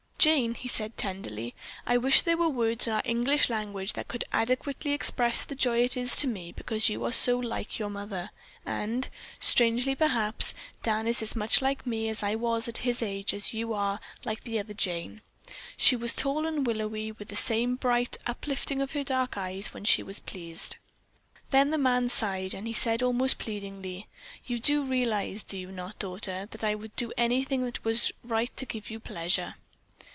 "Jane," he said tenderly, "I wish there were words in our English language that could adequately express the joy it is to me because you are so like your mother, and, strangely perhaps, Dan is as much like me as I was at his age as you are like that other Jane. She was tall and willowy, with the same bright, uplifting of her dark eyes when she was pleased." Then the man sighed, and he said almost pleadingly, "You do realize, do you not, daughter, that I would do anything that was right to give you pleasure?"